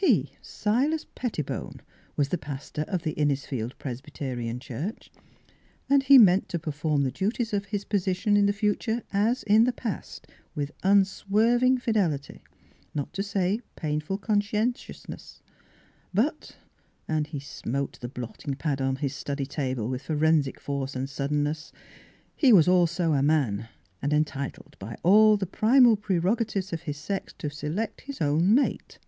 He, Si las Pettibone, was the pastor of the Innisfield Presbyterian Church, and he meant to perform the duties of his posi tion in the future as in the past, with un swerving fidelity, not to say painful con scientiousness, hut — and he smote the blotting pad on his study table with foren sic force and suddenness — he was also a man, and entitled by all the primal pre rogatives of his sex to select his own mate.